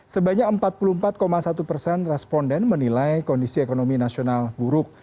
sebanyak empat puluh empat satu persen responden menilai kondisi ekonomi nasional buruk